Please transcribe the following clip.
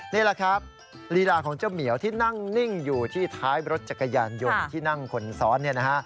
นี่แหละครับลีลาของเจ้าเหมียวที่นั่งนิ่งอยู่ที่ท้ายรถจักรยานยนต์ที่นั่งคนซ้อนเนี่ยนะฮะ